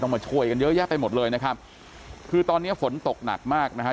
มาช่วยกันเยอะแยะไปหมดเลยนะครับคือตอนเนี้ยฝนตกหนักมากนะฮะ